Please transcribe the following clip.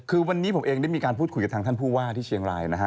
คือวันนี้ผมเองได้มีการพูดคุยกับทางท่านผู้ว่าที่เชียงรายนะฮะ